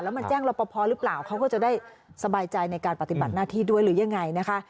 มาแจ้งรอปภหรือเปล่าเขาก็จะได้สบายใจในการปฏิบัติหน้าที่ด้วยหรือยังไงนะคะ